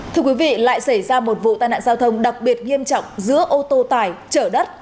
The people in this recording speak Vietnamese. thưa quý vị lại xảy ra một vụ tai nạn giao thông đặc biệt nghiêm trọng giữa ô tô tải chở đất